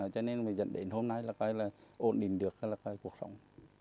cho nên mình dẫn đến hôm nay là ổn định được cuộc sống